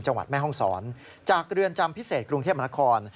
จังหวัดแม่ฮองศรจากเรือนจำพิเศษกรุงเทพมนาคม